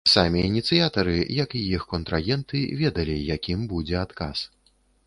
Самі ініцыятары, як і іх контрагенты, ведалі, якім будзе адказ.